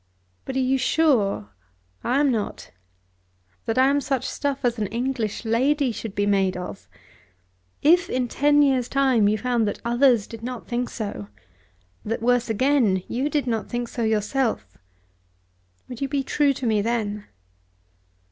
But are you sure, I am not, that I am such stuff as an English lady should be made of? If in ten years' time you found that others did not think so, that, worse again, you did not think so yourself, would you be true to me then?"